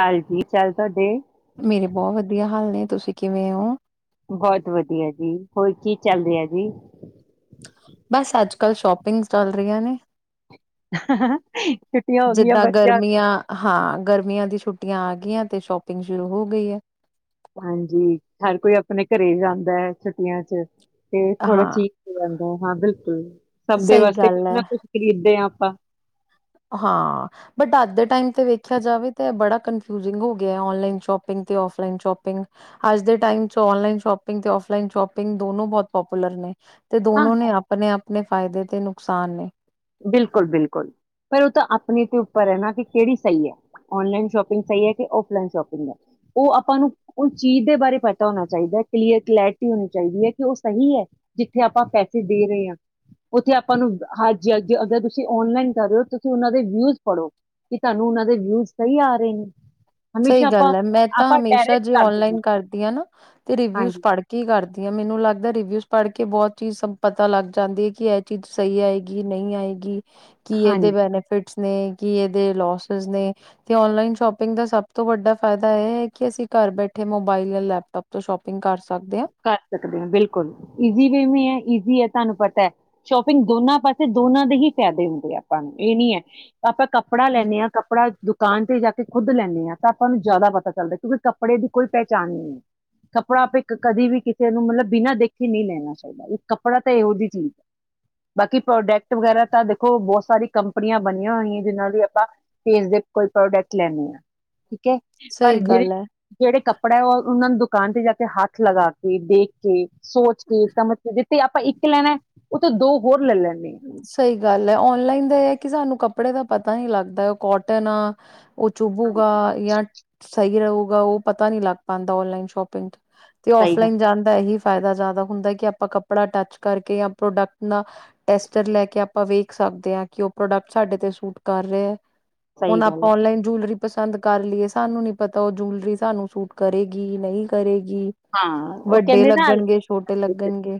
ਹਾਲ ਜੀ ਚਾਲ ਤੁਹਾਡੇ ਮੇਰੇ ਬਹੁਤ ਵਧੀਆ ਹਾਲ ਨੇ, ਤੁਸੀਂ ਕਿਵੇਂ ਓਂ? ਬਹੁਤ ਵਧੀਆ ਜੀ। ਹੋਰ ਕੀ ਚੱਲ ਰਿਹਾ ਜੀ? ਬਸ ਅੱਜ ਕੱਲ੍ਹ ਸ਼ੋਪਿੰਗਜ਼ ਚੱਲ ਰਹੀਆਂ ਨੇ। ਛੁੱਟੀਆਂ ਹੋ ਗਈਆਂ ਜਿੱਦਾਂ ਬੱਚਿਆ ਗਰਮੀਆਂ ਹਾਂ, ਗਰਮੀਆਂ ਦੀ ਛੁੱਟੀਆਂ ਆ ਗਈਆਂ ਤੇ ਸ਼ੋਪਿੰਗ ਸ਼ੁਰੂ ਹੋ ਗਈ ਐ। ਹਾਂਜੀ ਹਰ ਕੋਈ ਆਪਣੇ ਘਰੇ ਜਾਂਦਾ ਐ ਛੁੱਟੀਆਂ ਚ। ਤੇ ਥੋੜਾ ਹਾਂ, ਠੀਕ ਹੋ ਜਾਂ ਓ ਹਾਂ ਬਿਲਕੁਲ। ਸਭ ਦੇ ਸਹੀ ਵਾਸਤੇ ਕੁਛ ਗੱਲ ਹੈ। ਨਾ ਕੁੱਛ ਖਰੀਦਦੇ ਆਂ ਆਪਾਂ। ਹਾਂ। ਬਟ ਅੱਜ ਦੇ ਟਾਈਮ ਤੇ ਵੇਖਿਆ ਜਾਵੇ ਤਾਂ ਬੜਾ ਕਨਫਿਊਜਿੰਗ ਹੋ ਗਿਆ, ਔਨਲਾਈਨ ਸ਼ੋਪਿੰਗ ਤੇ ਔਫਲਾਈਨ ਸ਼ੋਪਿੰਗ। ਅੱਜ ਦੇ ਟਾਇਮ ਚ ਔਨਲਾਈਨ ਸ਼ੋਪਿੰਗ ਤੇ ਔਫਲਾਈਨ ਸ਼ੋਪਿੰਗ ਦੋਨੋ ਬਹੁਤ ਪਾਪੂਲਰ ਨੇ। ਤੇ ਹਾਂ ਦੋਨੋ ਨੇ ਆਪਣੇ ਆਪ ਪਣੇ ਫਾਇਦੇ ਤੇ ਨੁਕਸਾਨ ਨੇ। ਬਿਲਕੁਲ, ਬਿਲਕੁਲ। ਪਰ ਉਹ ਤਾਂ ਆਪਣੇ ਤੇ ਉੱਪਰ ਐ ਨਾ ਕਿ ਕਿਹੜੀ ਸਹੀ ਐ। ਓਨਲਾਈਨ ਸ਼ੋਪਿੰਗ ਸਹੀ ਐ ਕਿ ਔਫਲਾਈਨ ਸ਼ੋਪਿੰਗ ਐ। ਉਹ ਆਪਾਂ ਨੂੰ ਉਸ ਚੀਜ਼ ਦੇ ਬਾਰੇ ਪਤਾ ਹੋਣਾ ਚਾਹੀਦਾ, ਕਲੀਅਰ ਕਲੈਰਿਟੀ ਹੋਣੀ ਚਾਹੀਦੀ ਐ ਕਿ ਉਹ ਸਹੀ ਹੈ ਜਿੱਥੇ ਆਪਾਂ ਪੈਸੇ ਦੇ ਰਹੇ ਹਾਂ, ਉੱਥੇ ਆਪਾਂ ਨੂੰ ਹਾਏ ਕੇ ਅੱਜ ਤੁਸੀਂ ਓਨਲਾਈਨ ਕਰ ਰਹੇ ਹੋ ਤੁਸੀਂ ਉਹਨਾਂ ਦੇ ਵਿਊਜ਼ ਪੜ੍ਹੋ ਕਿ ਤੁਹਾਨੂੰ ਉਹਨਾਂ ਦੇ ਵਿਊ ਸਹੀ ਆ ਰਹੇ। ਸਹੀ ਹਮੇਸ਼ਾ ਆਪਾਂ ਗੱਲ ਐ। ਮੈਂ ਤਾਂ ਆਪਾਂ ਹਮੇਸ਼ਾ ਡਾਇਰੈਕਟ ਜੇ ਕਰ ਦਿੰਦੇ ਓਨਲਾਈਨ ਕਰਦੀ ਆ ਨਾ ਤੇ ਰਿਵਿਊਸ ਹਾਂਜੀ ਪੜ ਕੇ ਕਰਦੀ ਆ। ਮੈਨੂੰ ਲੱਗਦਾ ਰਿਵਿਊਸ ਪੜ੍ਹ ਕੇ ਬਹੁਤ ਚੀਜ਼ ਸਬ ਪਤਾ ਲੱਗ ਜਾਂਦੀ ਐ ਕਿ ਇਹ ਚੀਜ਼ ਸਹੀ ਆਏਗੀ ਨਈ ਆਏਗੀ। ਕੀ ਇਹਦੇ ਹਾਂਜੀ ਬੈਨੀਫਿਟਸ ਨੇ ਕੀ ਇਹਦੇ ਲੌਸਸ ਨੇ। ਤੇ ਔਨਲਾਈਨ ਸ਼ੋਪਿੰਗ ਦਾ ਸਭ ਭ ਤੋਂ ਵੱਡਾ ਫਾਇਦਾ ਇਹ ਹੈ ਕਿ ਅਸੀਂ ਘਰ ਬੈਠੇ ਮੋਬਾਇਲ ਜਾਂ ਲੈਪਟੋਪ ਤੋਂ ਸ਼ੋਪਿੰਗ ਕਰ ਸਕ ਕਰ ਸਕਦੇ ਆ, ਬਿਲਕੁਲ। ਈਜ਼ੀ ਵੇ ਮੀ ਐ, ਈਜ਼ੀ ਐ। ਤੁਾਨੂੰ ਪਤਾ ਐ ਸ਼ੋਪਿੰਗ ਦੋਨਾਂ ਪਾਸ ਤੇ ਦੋਨਾਂ ਦੇ ਹੀ ਫਾਇਦੇ ਹੁੰਦੇ ਆ ਆਪਾਂ ਨੂੰ, ਇਹ ਨੀ ਐ ਆਪਾਂ ਕੱਪੜਾ ਲੈਂਨੇ ਆਂ ਕੱਪੜਾ ਦੁਕਾਨ ਤੇ ਜਾ ਕੇ ਖੁੱਦ ਲੈਂਨੇ ਹਾਂ ਤਾਂ ਆਪਾਂ ਨੂੰ ਜ਼ਿਆਦਾ ਪਤਾ ਚੱਲਦਾ ਕਿਉਂਕਿ ਕੱਪੜੇ ਦੀ ਕੋਈ ਪਹਿਚਾਣ ਨਹੀਂ ਹੈ, ਕੱਪੜਾ ਆਪੇ। ਕਦੇ ਵੀ ਕਿਸੇ ਨੂੰ ਮਤਲਬ ਬਿਨਾ ਦੇਖੇ ਨਹੀਂ ਲੈਣਾ ਚਾਹੀਦਾ ਇਹ ਕੱਪੜਾ ਤਾਂ ਇਹੋ ਜਿਹੀ ਚੀਜ਼ ਹੈ, ਬਾਕੀ ਪ੍ਰੋਡਕਟ ਵਗੈਰਾ ਤਾਂ ਦੇਖੋ ਬਹੁਤ ਸਾਰੀ ਕੰਪਨੀਆਂ ਬਣੀਆਂ ਹੋਈਆਂ ਜਿਨਾਂ ਦੀ ਆਪਾਂ ਫੇਸ ਦੇ ਕੋਈ ਪ੍ਰੋਡਕਟ ਲੈਨੇ ਆ। ਠੀਕ ਐ ਸਹੀ ਜਿਹੜੇ ਗੱਲ ਹੈ ਜਿਹੜੇ ਕੱਪ ਕੜਿਆ ਉਹਨਾਂ ਨੂੰ ਦੁਕਾਨ ਤੇ ਜਾ ਕੇ ਹੱਥ ਲਗਾ ਕੇ ਦੇਖ ਕੇ, ਸੋਚ ਕੇ ਸਮਝ ਕੇ, ਤੇ ਆਪਾਂ ਇੱਕ ਲੈਣਾ ਉਥੋਂ ਦੋ ਹੋਰ ਲੈ ਲੈਂਦੇ ਹਾਂ ਸਹੀ ਗੱਲ ਹੈ ਔਨਲਾਈਨ ਦਾ ਇਹ ਕਿ ਸਾਨੂੰ ਕੱਪੜ ਕੱਪੜੇ ਦਾ ਪਤਾ ਨੀ ਲੱਗਦਾ ਉਹ ਕੋਟਨ ਆ। ਉਹ ਚੁਭੂਗਾ ਹਾਂਜੀ ਜਾਂ ਸਹੀ ਰਹੂਗਾ ਉਹ ਪਤਾ ਨਹੀਂ ਲੱਗ ਪਾਦਾ ਔਨਲਾਈਨ ਸ਼ੋਪਿੰਗ ਤੋਂ, ਤੇ ਸਹੀ ਗੱਲ ਔਫਲਾਈਨ ਜਾਣ ਦਾ ਇਹੀ, ਫ਼ਾਇਦਾ ਜ਼ਿਆਦਾ ਹੁੰਦਾ ਕਿ ਆਪਾਂ ਕੱਪੜਾ ਟੱਚ ਕਰਕੇ ਜਾਂ ਪ੍ਰੋਡਕਟ ਨਾਲ ਟੈਸਟਰ ਲੈ ਕੇ ਆਪਾਂ ਵੇਖ ਸਕਦੇ ਆ ਕਿ ਉਹ ਪ੍ਰੋਡਕਟ ਸਾਡੇ ਤੇ ਸੂਟ ਕਰ ਰਹੇ ਆ। ਸਹੀ ਹੁਣ ਗੱਲ ਹੈ ਆਪਾਂ ਔਨਲਾਈਨ ਜੂਲਰੀ, ਪਸੰਦ ਕਰ ਲਈਏ ਸਾਨੂੰ ਨੀ ਪਤਾ ਉਹ ਜੂਲਰੀ ਸਾਨੂੰ ਸੂਟ ਕਰੇਗੀ ਨਹੀਂ ਕਰੇਗੀ। ਹਾਂ ਉਹ ਵੱਡੇ ਕਹਿੰਦੇ ਨਾ ਲੱਗਣਗੇ ਛੋਟੇ ਲੱਗਣਗੇ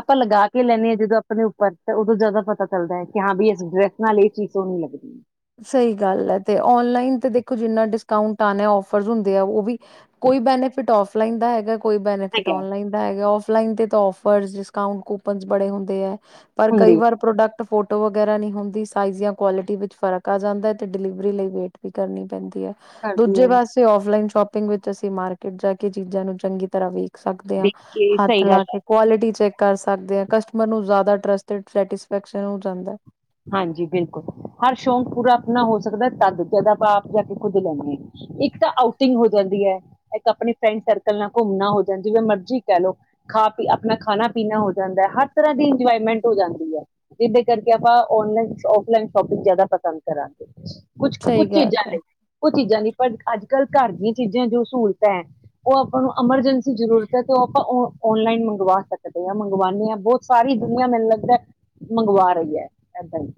ਆਪਾਂ ਲਗਾ ਕੇ ਲੈਨੇ ਆ ਜਦੋਂ ਆਪਣੇ ਉੱਪਰ ਤੇ ਉਦੋਂ ਜ਼ਿਆਦਾ ਪਤਾ ਚੱਲਦਾ ਹੈ ਕਿ ਹਾਂ ਵੀ ਇਸ ਡਰੈਸ ਨਾਲ ਇਹ ਚੀਜ਼ ਸੋਹਣੀ ਲੱਗਦੀ ਹੈ। ਸਹੀ ਗੱਲ ਹੈ ਤੇ ਔਨਲਾਈਨ ਤੇ ਦੇਖੋ, ਜਿੰਨਾ ਡਿਸਕਾਊਂਟ ਆਨਾ ਔਫਰਸ ਹੁੰਦੇ ਆ ਉਹ ਵੀ ਕੋਈ ਬੈਨੀਫਿਟ ਔਫਲਾਈਨ ਦਾ ਹੈਗਾ। ਕੋਈ ਬੈਨੀਫਿਟ ਹੈਗਾ ਔਨਲਾਈਨ ਦਾ ਹੈਗਾ ਔਫ ਔਫਲਾਈਨ ਤੇ ਤਾਂ ਔਫਰਸ ਡਿਸਕਾਊਂਟ ਕੂਪਨਸ ਬੜੇ ਹੁੰਦੇ ਹੈ। ਪਰ ਕਈ ਹੁੰਦੀ ਵਾਰ ਪ੍ਰੋਡਕਟ ਫੋਟ ਫੋਟੋ ਵਗੈਰਾ ਨਹੀਂ ਹੁੰਦੀ ਸਾਈਜ਼ ਜਾਂ ਕੁਆਲਿਟੀ ਵਿੱਚ ਫਰਕ ਆ ਜਾਂਦਾ ਤੇ ਡਿਲੀਵਰੀ ਲਈ ਵੇਟ ਵੀ ਕਰਨੀ ਪੈਂਦੀ। ਕਰਦੀ ਦੂਜੇ ਹੈ ਪਾਸੇ ਔਫਲਾਈਨ ਸ਼ੋਪਿੰ ਵਿੱਚ ਅਸੀਂ ਮਾਰਕੀਟ ਜਾ ਕੇ ਚੀਜ਼ਾਂ ਨੂੰ ਚੰਗੀ ਤਰ੍ਹਾਂ ਵੇਖ ਸਕਦੇ ਹਾਂ ਦੇਖ ਕੇ ਹੱਥ ਸਹੀ ਗੱਲ ਲਾ ਕੇ ਕੁਆਲਿਟੀ ਚੈਕ, ਕਰ ਸਕਦੇ ਹਾਂ ਕਸਟਮਰ ਨੂੰ ਜ਼ਿਆਦਾ ਟਰਸਟ ਸੈਟਿਸਫੈਕਸ਼ਨ ਹੋ ਜਾਂਦਾ। ਹਾਂਜੀ ਬਿਲਕੁਲ ਹਰ ਸ਼ੌਕ ਪੂਰਾ ਆਪਣਾ ਹੋ ਸਕਦਾ ਤਦ ਜਦ ਆਪਾਂ ਆਪ ਜਾ ਕੇ ਖੁੱਦ ਲੈਂਦੇ ਹਾਂ ਇੱਕ ਤਾਂ ਆਊਟਿੰਗ ਹੋ ਜਾਂਦੀ ਹੈ, ਇੱਕ ਆਪਣੀ ਫਰੈਂਡ ਸਰਕਲ ਨਾਲ ਘੁੰਮਣਾ ਹੋਜਾਂ ਜਿਵੇਂ ਮਰਜ਼ੀ ਕਹਿ ਲਓ ਖਾ ਪੀ ਆਪਣਾ ਖਾਣਾ ਪੀਣਾ ਹੋ ਜਾਂਦਾ ਹਰ ਤਰ੍ਹਾਂ ਦੀ ਇੰਜੋਏਮੈਂਟ ਹੋ ਜਾਂਦੀ ਹੈ, ਜਿਹਦੇ ਕਰਕੇ ਆਪਾਂ ਔਨਲਾਈਨ ਔਫਲਾਈਨ ਸ਼ੋਪਿੰਗ ਜ਼ਿਆਦਾ ਪਸੰਦ ਕਰਾਂਗੇ। ਕੁਛ ਸਹੀ ਕੁਛ ਗੱਲ ਚੀਜ਼ਾਂ ਹੈ। ਲਈ ਕੁਝ ਚੀਜ਼ਾਂ ਦੀ। ਪਰ ਅੱਜ ਕੱਲ੍ਹ ਘਰ ਦੀਆਂ ਚੀਜ਼ਾਂ ਜੋ ਸਹੂਲਤਾਂ ਹੈ ਉਹ ਆਪਾਂ ਨੂੰ ਐਮਰਜੈਂਸੀ ਜ਼ਰੂਰਤ ਹੈ, ਤੇ ਉਹ ਆਪਾਂ ਔਨਲਾਈਨ ਮੰਗਵਾ ਸਕਦੇ ਹਾਂ ਮੰਗਵਾਨੇ ਹਾਂ ਬਹੁਤ ਸਾਰੀ ਦੁਨੀਆਂ ਮੈਨੂੰ ਲੱਗਦਾ ਮੰਗਵਾ ਰਹੀ ਹੈ। ਐਦਾ ਈ।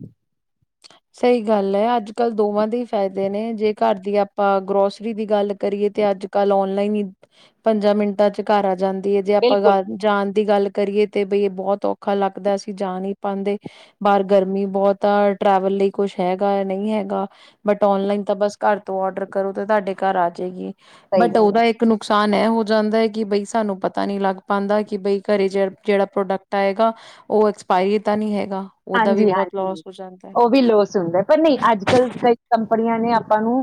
ਸਹੀ ਗੱਲ ਹੈ ਅੱਜ ਕੱਲ ਦੋਵਾਂ ਦੇ ਹੀ ਫਾਇਦੇ ਨੇ ਜੇ ਘਰ ਦੀ ਆਪਾਂ ਗਰੋਸਰੀ ਦੀ ਗੱਲ ਕਰੀਏ ਤੇ ਅੱਜ ਕੱਲ ਔਨਲਾਈਨ ਹੀ ਪੰਜਾਂ ਮਿੰਟਾਂ ਚ ਘਰ ਆ ਜਾਂਦ ਜੇ ਆਪਾਂ ਬਿਲਕੁਲ ਗੱਲ ਜਾਣ ਦੀ ਗੱਲ, ਕਰੀਏ ਤੇ ਬਈ ਬਹੁਤ ਔਖਾ ਲੱਗਦਾ ਅਸੀਂ ਜਾ ਨੀ ਪਾਦੇ ਬਾਹਰ ਗਰਮੀ ਬਹੁਤ ਆ। ਟਰੈਵਲ ਲਈ ਕੁਛ ਹੈਗਾ ਨਹੀਂ ਹੈਗਾ, ਬਟ ਔਨਲਾਈਨ ਤਾਂ ਬ ਘਰ ਤੋਂ ਡਰ ਕਰੋ ਤੇ ਤੁਹਾਡੇ ਘਰ ਆ ਜਾਏਗੀ। ਸਹੀ ਬਟ ਗੱਲ ਹੈ ਉਹਦਾ ਇੱਕ ਨੁਕਸਾਨ ਤਾਹ ਇਹ ਹੋ ਜਾਂਦਾ ਹੈ ਕਿ ਬਈ ਸਾਨੂੰ ਪਤਾ ਨਹੀਂ ਲੱਗ ਪਾਉਂਦਾ ਕਿ ਬਈ ਘਰ ਜ ਜਿਹੜਾ ਪ੍ਰੋਡਕਟ ਆ ਹੈਗਾ ਉਹ ਐਕਸਪਾਇਰੀ ਤਾਂ ਨਹੀਂ ਹੈਗਾ ਉਹਦਾ ਵੀ ਹਾਂਜੀ ਬਹੁਤ ਹਾਂਜੀ ਲੋਸ ਹੋ ਜਾਂਦਾ ਉਹ ਵੀ ਲੋਸ ਹੁੰਦਾ ਪਰ ਨਹੀਂ ਅੱਜ ਕੱਲ੍ਹ ਕਈ ਕੰ ੜੀਆਂ ਨੇ ਆਪਾਂ ਨੂੰ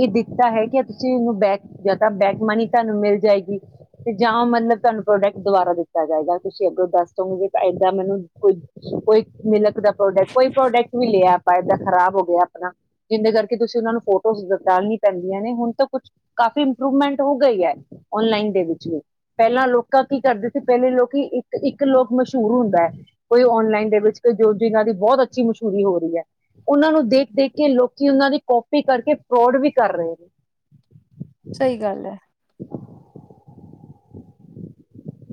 ਇਹ ਦਿੱਤਾ ਹੈ ਕਿ ਤੁਸੀਂਨੂੰ ਬੈਕ ਜਾਂ ਤਾਂ ਬੈਕ ਮਨੀ ਤੁਹਾਨੂੰ ਮਿਲ ਜਾਏਗੀ ਤੇ ਜਾਂ ਮਤਲਬ ਤੁਹਾਨੂੰ ਪ੍ਰੋਡਕਟ ਦੁਬਾਰਾ ਦਿੱਤਾ ਜਾਏਗਾ ਤੁਸੀਂ ਅੱਗੋਂ ਦੱਸ ਦੋਗੇ ਏਦਾਂ ਮੈਨੂੰ ਕੋਈ ਕੋ ਮਿਲਕ ਦਾ ਪ੍ਰੋਡਕਟ ਕੋਈ ਪ੍ਰੋਡਕਟ ਵੀ ਲਿਆ ਆਪਾਂ ਏਦਾਂ ਖ਼ਰਾਬ ਹੋ ਗਿਆ ਆਪਣਾ ਜਿਿੰਦੇ ਕਰਕੇ ਤੁਸੀਂ ਉਹਨਾਂ ਨੂੰ ਫੋਟੋਜ਼ ਬਦਾਲੀ ਪੈਂਦੀਆਂ ਨੇ ਹੁਣ ਤਾਂ ਕੁਛ ਕਾਫ਼ੀ ਇੰਪਰੂਵਮੈਂਟ ਹੋ ਗਈ ਹੈ ਓਨਲਾਈਨ ਦੇ ਵਿੱਚ ਵੀ ਪਹਿਲਾਂ ਲੋਕ ਕੀ ਕਰਦੇ ਸੀ ਪਹਿਲੇ ਲੋਕੀ ਇੱਕ ਇੱਕ ਇੱਕ ਲੋਕ ਮਸ਼ਹੂਰ ਹੁੰਦਾ ਹੈ ਕੋਈ ਔਨਲਾਈਨ ਦੇ ਵਿੱਚ ਜੋ ਜਿਨਾਂ ਦੀ ਬਹੁਤ ਅੱਛੀ ਮਸ਼ਹੂਰੀ ਹੋ ਰਹੀ ਹੈ ਉਹਨਾਂ ਨੂੰ ਦੇਖ ਦੇਖ ਕੇ ਲੋਕੀ ਉਹਨਾਂ ਦੀ ਕਪੀ ਕਰਕੇ ਫਰੋਡ ਵੀ ਕਰ ਰਹੇ ਨੇ ਸਹੀ ਗੱਲ ਹੈ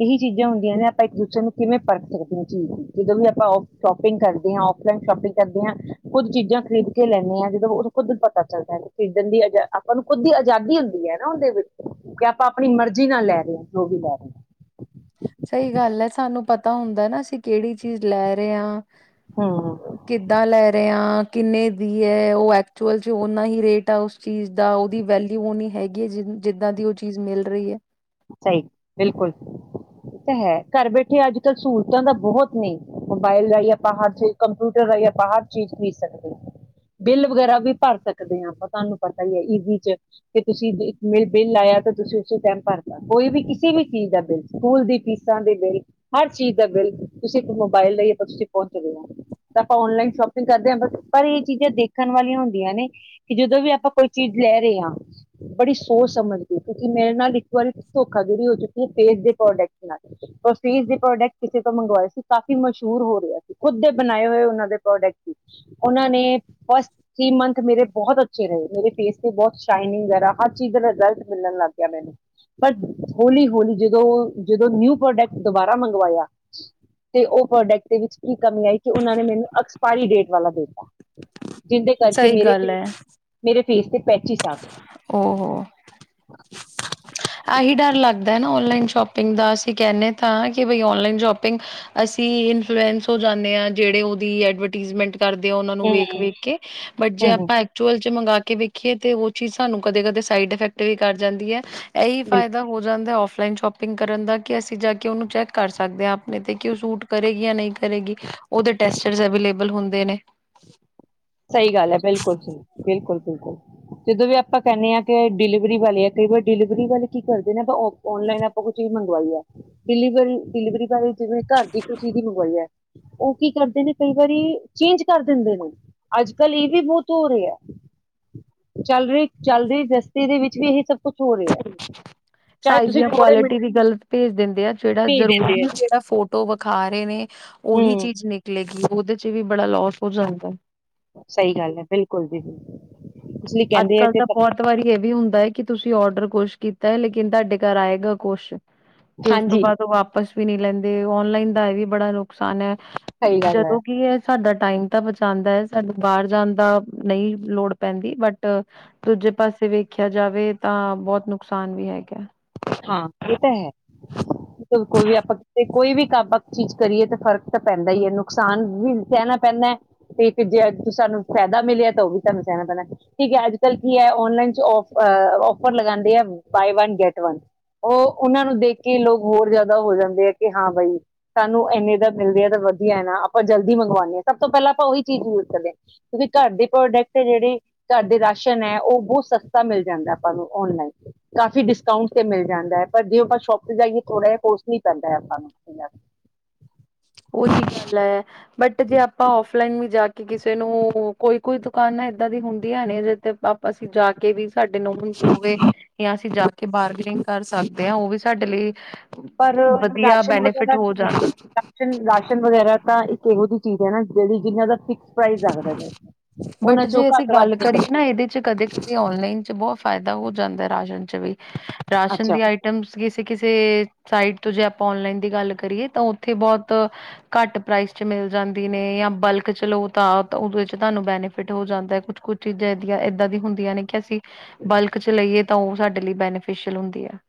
ਇਹੀ ਚੀਜ਼ਾਂ ਹੁੰਦੀਆਂ ਨੇ ਆਪਾਂ ਇੱਕ ਦੂਸਰੇ ਨੂੰ ਕਿਵੇਂ ਪਰਖ ਸਕਦੇ ਹ ਚੀਜ਼ ਜਦੋਂ ਵੀ ਆਪਾਂ ਸ਼ੋਪਿੰਗ ਕਰਦੇ ਹਾਂ ਫਲਾਈਨ ਸ਼ੋਪਿੰਗ ਕਰਦੇ ਹਾਂ ਕੁੁਦ ਚੀਜ਼ਾਂ ਖਰੀਦ ਕੇ ਲੈਂਦੇ ਹਾਂ ਜਦੋਂ ਉਦ ਖੁਦ ਪਤਾ ਚੱਲਦਾ ਖਰੀਦਣ ਦੀ ਆਪਾਂ ਨੂੰ ਖੁਦ ਦੀ ਆਜ਼ਾਦੀ ਹੁੰਦੀ ਹੈ ਨਾ ਉਹਦੇ ਕਿ ਆਪਾਂ ਆਪਣੀ ਮਰਜੀ ਨਾਲ ਲੈ ਰਹੇ ਹ ਜੋ ਵੀ ਲੈ ਰਹੇ ਏ। ਸਹੀ ਗੱਲ ਹੈ ਸਾਨੂੰ ਪਤਾ ਹੁੰਦਾ ਨਾ ਅਸੀਂ ਕਿਹੜੀ ਚੀਜ਼ ਲੈ ਰਹੇ ਹਾਂ। ਕਿੱਦਾਂ ਲੈ ਰਹੇ ਆ। ਕਿੰਨੇ ਦੀ ਉਹ ਐਕਚੁਅਲ ਚ ਓਨਾ ਹੀ ਰੇਟ ਆ ਉਸ ਚੀਜ਼ ਦਾ ਉਹਓਦੀ ਵੈਲਊ ਓਨੀ ਹੈਗੀ ਹੈ ਜ ਜਿਦਾਂ ਦੀ ਉਹ ਚੀਜ਼ ਮਿਲ ਰਹੀ ਹੈ। ਸਹੀ ਬਿਲਕੁਲ ਤਾਂ ਹੈ ਘਰ ਬੈਠੇ ਅੱਜ ਕੱਲ ਸਹੂਲਤਾਂ ਤਾਂ ਬਹੁਤ ਨੇ ਮੋਬਾਇਲ ਰਾਹੀਂ ਆਪਾਂ ਹਰ ਚ ਕੰਪਿਊਟਰ ਰਾਹੀਂ ਆਪਾਂ ਹਰ ਚੀਜ਼ ਖਰੀਦ ਸਕਦੇ ਬਿੱਲ ਵਗੈਰਾ ਵੀ ਭਰ ਸਕਦੇ ਹਾਂ ਆਪਾਂ ਤੁਹਾਨੂੰ ਪਤਾ ਹੀ ਹੈ ਈੀ ਚ ਕਿ ਤੁਸੀਂ ਬਿੱਲ ਲਾਇਆ ਤਾਂ ਤੁਸੀਂ ਉਸੇ ਟਾਈਮ ਭਰ। ਕੋਈ ਵੀ ਕਿਸੇ ਵੀ ਚੀਜ਼ ਦਾ ਬਿੱਲ ਸਕੂਲ ਦੀ ਫੀਸਾਂ ਦੇ ਬਿੱਲ ਹਰ ਚੀਜ਼ ਦਾ ਬਿੱਲ ਤੁਸੀਂ ਮੋਬਾਇਲ ਲਈ ਆਪਾਂ ਤੁਸੀਂ ਪਹੁੰਚਦੇ ਹੋ ਤਾਂ ਆਪਾਂ ਓਨਲਾਈਨ ਸ਼ੋਪਿੰਗ ਕਰਦੇ ਹਾਂ ਪਰ ਇਹ ਚੀਜ਼ਾਂ ਦੇਖਣ ਵਾਲੀਆਂ ਹੁੰਦੀਆਂ ਨੇ ਕਿ ਜਦੋਂ ਵੀ ਆਪਾਂ ਕੋਈ ਚੀਜ਼ ਲੈ ਰਹੇ ਹਾਂ ਬੜੀ ਸੋਚ ਸਮਝਦੇ ਕਿਉਂਕਿ ਮੇਰੇ ਨਾਲ ਧੋਖਾਧੁਰੀ ਹੋ ਚੁੱਕੀ ਫੇਸ ਦੇ ਪ੍ਰੋਡਕਟ ਨਾਲ ਪਰ ਫੇਸ ਦੇ ਪ੍ਰੋਡਕਟ ਕਿਸੇ ਤੋਂ ਮੰਗਵਾਏ ਸੀ ਕਾਫ਼ੀ ਮਸ਼ਹੂਰ ਹੋ ਰਿਹਾ ਸੀ ਖੁਦ ਦੇ ਬਣਾਏ ਹੋਏ ਉਹ ਦੇ ਪ੍ਰੋਡਕਟ ਸੀ ਉਹ ਨੇ ਫਸਟ ਹੀ ਮੰਨਥ ਮੇਰੇ ਬਹੁਤ ਅੱਛੇ ਰਹੇ ਮੇਰੇ ਫੇਸ ਤੇ ਬਹੁਤ ਸ਼ਾਈਨਿੰਗ ਹਰ ਚੀਜ਼ ਦਾ ਰਿਜ਼ਲਟ ਮਿਲਣ ਲੱਗ ਗਿਆ ਮੈਨੂੰ। ਪਰ ਹੌਲੀ ਹੌਲੀ ਜਦੋਂ ਜਦੋਂ ਨਿਊ ਪ੍ਰੋਡਕਟ ਦੁਬਾਰਾ ਮੰਗਵਾਇਆ ਤੇ ਉਹ ਪ੍ਰੋਡਕਟ ਦੇ ਵਿੱਚ ਕੀ ਕਮੀ ਆਈ ਕਿ ਉਹਨਾਂ ਨੇ ਮੈਨੂੰ ਐਕਸਪਾਇਰੀ ਡੇਟ ਵਾਲਾ ਦਿੱਤਾ। ਜਿਹਦੇ ਕਰਕੇ ਸਹੀ ਮੇਰੇ ਗੱਲ ਹੈ ਮੇਰੇ। ਫੇਸ ਤੇ ਪੈਂਚੀਸ ਆ ਗੇ ਉਹ ਆਹੀ ਡਰ ਲੱਗਦਾ ਨਾ ਉਨਲਾਈਨ ਸ਼ੋਪਿੰਗ ਦਾ ਅਸੀਂ ਕਹਿੰਨੇ ਤਾਂ ਕਿ ਬਈ ਉਨਲਾਈਨ ਸ਼ੋਪਿੰਗ ਅਸੀਂ ਇਨਫੁਲਐਸ ਹੋ ਜਾਂਨੇ ਆ ਜਿਹੜੇ ਉਹ ਦੀ ਏਡਵਰਟੀਸਮੈਂਟ ਕਰਦੇ ਆ ਉਹਨਾਂ ਨੂੰ ਵੇਖ-ਵੇਖ ਕੇ ਬਟ ਜੇ ਹੂੰ ਹੂੰ ਆਪਾਂ ਐਕਚੁਅਲ ਚ [unintelligible] ਮੰਗਾ ਕੇ ਵੀ ਦੇਖੀਏ ਤੇ ਉਹ ਚੀਜ਼ ਸਾਨੂੰ ਕਦੇ-ਕਦੇ ਸਾਈਡ ਇਫੈਕਟ ਵੀ ਕਰ ਜਾਂਦੀ ਐ। ਇਹੀ ਬਿਲਕੁਲ ਫਾਇਦਾ ਹੋ ਜਾਂਦਾ ਓਫ ਦਾ ਲ ਸ਼ੋਪਿੰਗ ਕਰਨ ਦਾ ਅਸੀਂ ਜਾ ਕੇ ਓਨੂ ਚੈਕ ਕਰ ਸਕਦੇ ਆ ਆਪ ਤੇ ਸੂਟ ਕਰੇਗੀ ਯ ਨ ਕਰੇਗੀ ਓਦੇ ਟਸਟਰ ਅਵੇਬਲ ਹੁੰਦੇ ਨੇ ਸਹੀ ਗੱਲ ਹੈ ਬਿਲਕੁਲ ਸਹੀ, ਬਿਲਕੁਲ। ਬਿਲਕੁਲ, ਜਦੋਂ ਵੀ ਆਪਾਂ ਕਹਿੰਦੇ ਹਾਂ ਕਿ ਡਿਲੀਵਰੀ ਵਾਲੇ ਆ ਕਈ ਵਾਰ ਡਿਲੀਵਰੀ ਵਾਲੇ ਕੀ ਕਰਦੇ ਨੇ ਆਪਾਂ ਆਨਲਾਈਨ ਆਪਾਂ ਕੋਈ ਚੀਜ਼ ਮੰਗਵਾਈ ਆ, ਡਿਲੀਵਰੀ ਡਿਲੀਵਰੀ ਵਾਲੇ ਜਿਵੇਂ ਘਰ ਦੀ ਖੁਸ਼ੀ ਦੀ ਮੰਗਵਾਈ ਐ। ਉਹ ਕੀ ਕਰਦੇ ਨੇ ਕਈ ਵਾਰੀ ਚੇਂਜ ਕਰ ਦਿੰਦੇ ਨੇ ਅੱਜ ਕੱਲ੍ਹ ਇਹ ਵੀ ਬਹੁਤ ਹੋ ਰਿਹਾ ਚੱਲ ਰਹੀ ਚੱਲ ਰਹੀ ਗ੍ਰਸਤੀ ਦੇ ਵਿੱਚ ਵੀ ਇਹ ਸਭ ਕੁਛ ਹੋ ਰਿਹਾ ਚਾਹੇ ਸਾਈਜ਼ ਤੁਸੀਂ ਜਾਂ ਥੋੜੇ ਮਿੰਟ ਕੁਆਲਿਟੀ ਵੀ ਗਲਤ ਭੇਜ ਦਿੰਦੇ ਆ ਜਿਹੜਾ ਭੇਜ ਜਰੂਰੀ ਦਿੰਦੇ ਹੈ ਨੀ ਜਿਹੜਾ ਫੋਟੋ ਵਿਖਾ ਰਹੇ ਨੇ ਉਹੀ ਹਮ ਚੀਜ਼ ਨਿਕਲੇਗੀ। ਉਹਦੇ ਚ ਵੀ ਬੜਾ ਲੋਸ ਹੋ ਜਾਂਦਾ ਸਹੀ ਗੱਲ ਹੈ ਬਿਲਕੁਲ ਜੀ ਬਿਲਕੁਲ। ਇਸ ਲਈ ਕਹਿੰਦੇ ਆ ਅੱਜਕੱਲ ਕਿ ਤਾਂ ਸਭ- ਬਹੁਤ ਵਾਰੀ ਇਹ ਵੀ ਹੁੰਦਾ ਹੈ ਕਿ ਤੁਸੀਂ ਔਡਰ ਕੁਛ ਕੀਤਾ ਹੈ ਲੇਕਿਨ ਤੁਹਾਡੇ ਘਰ ਆਏਗਾ ਕੁਛ। ਤੇ ਉਸ ਤੋਂ ਹਾਂਜੀ ਬਾਅਦ ਉਹ ਵਾਪਸ ਵੀ ਨਹੀਂ ਲੈਂਦੇ ਔਨਲਾਈਨ ਦਾ ਇਹ ਵੀ ਬੜਾ ਨੁਕਸਾਨ ਐ। ਸਹੀ ਗੱਲ ਹੈ ਜਦੋਂ ਕੀ ਇਹ ਸਾਡਾ ਟਾਈਮ ਤਾਂ ਬਚਾਉਂਦਾ ਹੈ ਸਾਨੂੰ ਬਾਹਰ ਜਾਣ ਦਾ ਨਹੀਂ ਲੋੜ। ਪੈਂਦੀ ਬਟ ਦੂਜੇ ਪਾਸੇ ਵੇਖਿਆ ਜਾਵੇ ਤਾਂ ਬਹੁਤ ਨੁਕਸਾਨ ਵੀ ਹੈਗਾ। ਹਾਂ ਇਹ ਤਾਂ ਹੈ ਕੋਈ ਵੀ ਆਪਾਂਤੇ ਕੋਈ ਵੀ ਕੰ ਚੀਜ਼ ਕਰੀਏ ਤਾਂ ਫ਼ਰਕ ਤਾਂ ਪੈਂਦਾ ਹੀ ਹੈ ਨੁਕਸਾਨ ਵੀ ਸਹਿਣਾ ਪੈਂਦਾ ਹੈ ਤੇ ਜੇ ਸਾਨੂੰ ਫਾਇਦਾ ਮਿਲਿਆ ਤਾਂ ਉਹ ਵੀ ਸਹਾਨੂੰ ਸਹਿਣਾ ਪੈਂਦਾ ਠੀਕ ਹੈ ਅੱਜ ਕੱਲ ਕੀ ਹੈ ਔਨਲਾਈਨ ਚ ਔਫਰ ਲਗਾਉਂਦੇ ਹੈ ਬਾਏ ਵਨ ਗੈਟ ਵਨ ਉਹ ਉਹਨਾਂ ਨੂੰ ਦੇਖ ਕੇ ਲੋਕ ਹੋਰ ਜ਼ਿਆਦਾ ਹੋ ਜਾਂਦੇ ਆ ਕਿ ਹਾਂ ਬਾਈ ਸਾਨੂੰ ਇਨੇ ਦਾ ਮਿਲਦੇ ਆ ਤਾਂ ਵਧੀਆ ਨਾ ਆਪਾਂ ਜਲਦੀ ਮੰਗਵਾਉਦੇ ਹਾਂ ਸਭ ਤੋਂ ਪਹਿਲਾਂ ਆਪਾਂ ਉਹੀ ਚੀਜ਼ ਯੂਜ ਕਰਦੇ ਹਾਂ ਕਿਉਂਕਿ ਘਰ ਦੇ ਪ੍ਰੋਡਕਟ ਜਿਹੜੇ ਘਰ ਦੇ ਰਾਸ਼ਨ ਹੈ ਉਹ ਬਹੁਤ ਸਸਤਾ ਮਿਲ ਜਾਂਦਾ ਆਪਾਂ ਨੂੰ ਔਨਲਾਈਨ ਕਾਫ਼ੀ ਡਿਸਕਾਊਂਟ ਤੇ ਮਿਲ ਜਾਂਦਾ ਹੈ ਪਰ ਜੇ ਆਪਾਂ ਸ਼ੋਪ ਤੇ ਜਾਈਏ ਥੋੜਾ ਜਿਹਾ ਕੋਸਟਲੀ ਪੈਂਦਾ ਆਪਾਂ ਨੂੰ। ਉਹੀ ਗੱਲ ਹੈ। ਬਟ ਜੇ ਆਪਾਂ ਫ ਲਾਨ ਵੀ ਜਾ ਕੇ ਕਿਸੇ ਨੂੰ ਕੋਈ ਕੋਈ ਦੁਕਾਨ ਨਾ ਇਏਦਾਂ ਦੀ ਹੁੰਦੀ ਹੈ ਨੇ ਜਿੱਥ ਆਪ ਅਸੀਂ ਜਾ ਕੇ ਵੀ ਸਾਡੇ ਹੋਵੇ ਜਾਂ ਅਸੀਂ ਜਾ ਕੇ ਬਾਰਗਨਿੰਗ ਕਰ ਸਕਦੇ ਹਾਂ ਉਹ ਵੀ ਸਾਡੇ ਲਈ ਪਰ ਵਧੀਆ ਰਾਸ਼ਨ ਬੈਨੀਫਿਟ ਵਗੈਰਾ ਹੋ ਜਾਂਦਾ ਕੇ ਰਾਸ਼ਨ ਵਗੈਰਾ ਤਾਂ ਇੱਕ ਇਹੋ ਜਿਹੀ- ਚੀਜ਼ ਨਾ ਜਿਹੜੀ ਜਿੰਨਾ ਦਾ ਪ੍ਰਾਈਸ ਰੱਖਦੇ ਨੇ ਬਟ ਉਹਨਾਂ ਚੋਂ ਜੇ ਅਸੀਂ ਘੱਟ ਵੱਧ ਗੱਲ ਨਹੀਂ ਕਰੀਏ ਕਰਦੇ ਨਾ ਇਹਦੇ ਚ ਕਦੇ ਕਦੇ ਓਨਲਾਈਨ ਚ ਬਹੁਤ ਫਾਇਦਾ ਹੋ ਜਾਂਦਾ ਰਾਸ਼ਨ ਚ ਵੀ ਰਾਸ਼ਨ ਅੱਛਾ ਦੀ ਆਈਟਮਸ ਕਿਸੇ ਕਿਸੇ ਸਾਈਟ ਜੇ ਆਪਾਂ ਓਨਲਾਈਨ ਦੀ ਗੱਲ ਕਰੀਏ ਤਾਂ ਉੱਥੇ ਬਹੁਤ ਘੱਟ ਪ੍ਰਾਈਸ ਚ ਮਿਲ ਜਾਂਦੀ ਨੇ ਜਾਂ ਬਲਕ ਚਲੋ ਤਾਂ ਉਦੋਂ ਵਿੱਚ ਤੁਹਾਨੂੰ ਬੈਨੀਫਿਟ ਹੋ ਜਾਂਦਾ ਕੁਛ ਕੁਛ ਚੀਜ਼ਾ ੲਦਿਆ ਐਦਾਂ ਦੀਆਂ ਹੁੰਦੀਆਂ ਨੇ ਕਿ ਅਸੀਂ ਬਲਕ ਚ ਲਈਏ ਤਾਂ ਉਹ ਸਾਡੇ ਲਈ ਬੈਨੀਫਿਸ਼ਅਲ ਹੁੰਦੀ ਹੈ। -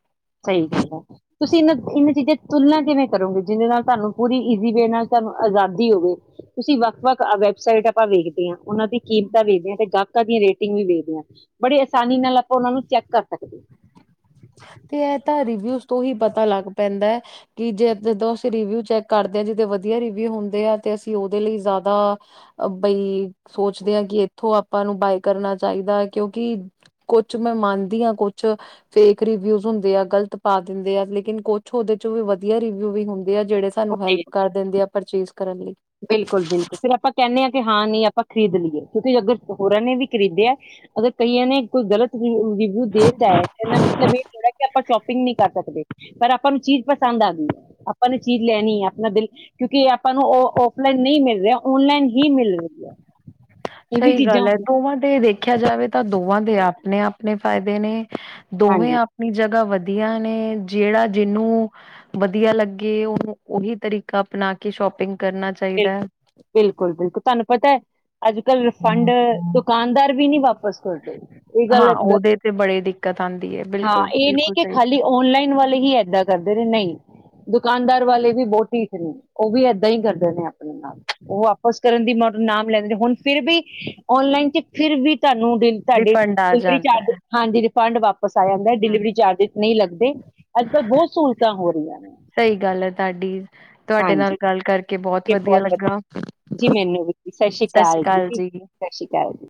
ਸਹੀ ਗੱਲ ਹੈ ਤੁਸੀਂ ਇਹਨਾਂ ਇਹਨਾਂ ਚੀਜ਼ਾਂ ਤੁਲਨਾ ਕਿਵੇਂ ਕਰੋਗੇ ਜਿਹਦੇ ਨਾਲ ਤੁਹਾਨੂੰ ਪੂਰੀ ਇਜੀ ਵੇ ਨਾਲ ਤੁਹਾਨੂੰ ਆਜ਼ਾਦੀ ਹੋਵੇ ਤੁਸੀਂ ਵੱਖ ਵੱਖ ਵੈਬਸਾਈਟ ਆਪਾਂ ਵੇਖਦੇ ਹਾਂ ਉਹਨਾਂ ਦੀ ਕੀਮਤਾਂ ਵੀਦੀਆਂ ਤੇ [unintelligible] ਸਾਡੀ ਰੇਟਿੰਗ ਵੀ ਵੇਖਦੇ ਹਾਂ ਬੜੀ ਆਸਾਨੀ ਨਾਲ ਆਪਾਂ ਉਹਨਾਂ ਨੂੰ ਚੈੱਕ ਕਰ ਸਕਦੇ ਤੇ ਇਹ ਤਾਂ ਰਵਿਊ ਤੋਂ ਹੀ ਪਤਾ ਲੱਗ ਪੈਂਦਾ ਹੈ ਕਿ ਜੇ ਜਦੋ ਅਸੀਂ ਰਵਿਊ ਚੈਕ ਕਰਦੇ ਆ ਜਿ ਵਦਿਆ ਰਿਵਿਊ ਹੁੰਦੇ ਆ ਤੇ ਅਸੀਂ ਓਦੇ ਲਈ ਜ਼ਿਆਦਾ ਬਈ ਸੋਚਦੇ ਆ ਕਿ ਏਥੋਂ ਆਪਾਂ ਨੂੰ ਬਏ ਕਰਨਾ ਚਾਹੀਦਾ ਕਿਉਕਿ ਕੁਛ ਮੈਂ ਮੰਨਦੀ ਆ ਕੁਛ ਫੇਕ ਰਿਵਿਊ ਹੁੰਦੇ ਆ ਗ਼ਲਤ ਪਾ ਦਿੰਦੇ ਆ ਲੇਕਿਨ ਕੁਛ ਉਹਦੇ ਚ ਵੀ ਵਧੀਆ ਰਿਵਿਊ ਵੀ ਹੁੰਦ ਆ ਜਿਹੜੇ ਸਾਨੂੰ ਉੱਤੇ ਹੈਲਪ ਕਰ ਦਿੰਦੇ ਆ ਪਰਚੇਸ ਕਰਨ ਲਈ ਬਿਲਕੁਲ ਬਿਲਕੁਲ ਫਿਰ ਆਪਾਂ ਕਹਿੰਦੇ ਹਾਂ ਕਿ ਹਾਂ ਨਹੀਂ ਆਪਾਂ ਖਰੀਦ ਲਈਏ ਕਿਉਂਕਿ ਅਗਰ ਹੋਰਾਂ ਨੇ ਵੀ ਖਰੀਦਿਆ ਅਗਰ ਕਈਆਂ ਨੇ ਕੋਈ ਗਲਤ ਰਿਵਿਊ ਦੇਤਾ ਹੈ ਇਹ ਮਤਲਬ ਇਹ ਥੋੜਾ ਕਿ ਆਪਾਂ ਸ਼ੋਪਿੰਗ ਨਹੀਂ ਕਰ ਸਕਦੇ ਪਰ ਆਪਾਂ ਨੂੰ ਚੀਜ਼ ਪਸੰਦ ਆਦੀ ਹੈ ਆਪਾਂ ਨੂੰ ਚੀਜ਼ ਲੈਣੀ ਹੈ ਆਪਣਾ ਦਿਲ ਕਿਉਂਕਿ ਆਪਾਂ ਨੂੰ ਉਹ ਉ ਲਾਈਨ ਨਹੀਂ ਮਿਲ ਰਿਹਾ ਔਨਲਾਈਨ ਹੀ ਮਿਲ ਰਹੀ ਹੈ। ਇਹ ਵੀ ਸਹੀ ਚੀਜ਼ਾਂ ਗੱਲ ਹੈ ਹੁੰਦੀਆਂ ਦੋਵਾਂ ਦੇ ਦੇਖਿਆ ਜਾਵੇ ਤਾਂ ਦੋਵਾਂ ਦੇ ਆਪ ਆਪਣੇ ਆਪਣੇ ਫ਼ਾਇਦੇ ਨੇ ਦੋਵੇਂ ਹਾਂਜੀ ਆਪਣੀ ਜਗ੍ਹਾ ਵਧੀ ਵਆ ਨੇ ਜਿਹੜਾ ਜਿਹਨੂੰ ਵਧੀਆ ਲੱਗੇ ਉਹਨੂੰ ਉਹੀ ਤਰੀਕਾ ਅਪਣਾ ਕੇ ਸ਼ੋਪਿੰਗ ਦੀ ਬਿਲਕੁਲ ਬਿਲਕੁਲ ਬਿਲਕੁਲ ਤੁਹਾਨੂੰ ਪਤਾ ਹੈ ਅੱਜ ਕੱਲ ਰਿਫੰਡ ਦੁਕਾਨਦਾਰ ਵੀ ਨੀ ਵਾਪ ਵਾਪਸ ਕਰਦੇ ਇਹ ਹਾਂ ਗੱਲ ਗ ਉਹਦੇ ਤੇ ਬੜੀ ਦਿੱਕਤ ਆਉਂਦੀ ਹੈ ਹਾਂ ਬਿਲਕੁਲ ਇਹ ਨਹੀਂ ਬਿਲਕੁਲ ਕਿ ਸਹੀ ਖਾਲੀ ਗੱਲ ਓਨਲਾਈਨ ਵਾਲੇ ਹੀ ਏਦਾਂ ਕਰਦੇ ਨੇ ਨਹੀਂ ਦੁਕਾਨਦਾਰ ਵਾਲੇ ਵੀ ਬਹੁਤ ਢੀਠ ਨੇ ਉਹ ਵੀ ਏਦਾਂ ਹੀ ਕਰਦੇ ਨੇ ਆਪਣੇ ਨਾਲ ਉਹ ਵਾਪਸ ਕਰਨ ਦੀ ਮ ਨਾਮ ਲੈਂਦੇ ਨੇ ਹੁਣ ਫਿਰ ਵੀ ਔਨਲਾਈਨ ਚ ਫਿਰ ਵੀ ਤੁਹਾਨੂੰ ਦਿਨ ਤੁਹਾਡੀ ਰਿਫੰਡ ਆ ਦੁਸਰੀ ਚਾ ਜਾਂਦਾ ਹੈ ਹਾਂਜੀ ਫੰਡ ਵਾਪ ਪਸਾਇਆ ਜਾਂਦਾ ਹਮ ਡਿਲੀਵਰੀ ਚਾਰਜ ਨਹੀਂ ਲੱਗਦਾ ਤੇ ਅੱਜ ਕੱਲ੍ਹ ਬਹੁਤ ਸਹੂਲਤਾਂ ਹੋ ਰਹੀਆਂ ਨੇ ਸਹੀ ਗੱਲ ਹੈ ਤੁਹਾਡੀ ਤੁਹਾਡੇ ਨਾਲ ਹਾਂਜੀ ਗੱਲ ਕਰਕੇ ਬਹੁਤ ਵਧੀਆ ਜੀ ਮੈਨੂੰ ਵੀ ਸਤਿ ਸ਼੍ਰੀ ਅਕਾਲ ਜੀ ਸਤਿ ਸ੍ਰੀ ਅਕਾਲ ਜੀ